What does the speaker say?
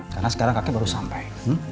karena sekarang kakek baru sampai